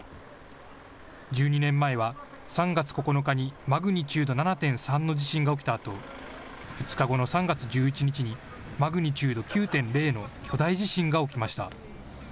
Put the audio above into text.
１２年前は３月９日にマグニチュード７．３の地震が起きたあと２日後の３月１１日にマグニチュード９．０の巨大地震が起きました。